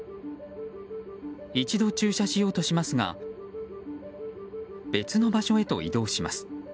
一度駐車しようとしますが別の場所へと移動します。